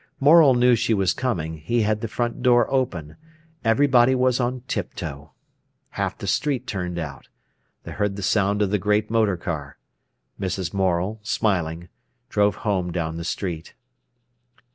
Morel knew she was coming. He had the front door open. Everybody was on tiptoe. Half the street turned out. They heard the sound of the great motor car. Mrs. Morel, smiling, drove home down the street.